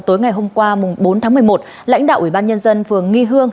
tối ngày hôm qua bốn tháng một mươi một lãnh đạo ủy ban nhân dân phường nghi hương